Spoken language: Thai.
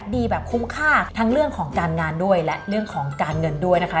ดีแบบคุ้มค่าทั้งเรื่องของการงานด้วยและเรื่องของการเงินด้วยนะคะ